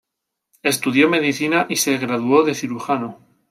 Estudió medicina y se graduó de cirujano.